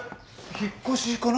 引っ越しかな？